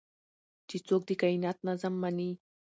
چې څوک د کائنات نظم مني